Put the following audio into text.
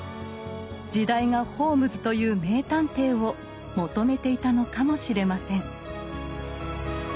時代がホームズという名探偵を求めていたのかもしれません。